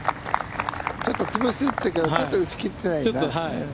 ちょっと潰すというか、ちょっと打ち切ってないな。